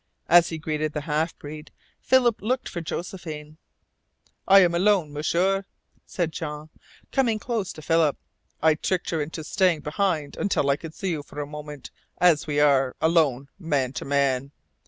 As he greeted the half breed, Philip looked for Josephine. "I am alone, M'sieur," said Jean, coming close to Philip. "I tricked her into staying behind until I could see you for a moment as we are, alone, man to man.